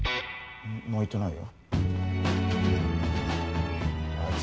泣いてないよ